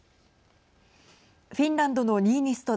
フィンランドのニーニスト